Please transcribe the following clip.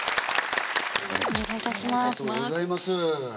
ありがとうございます。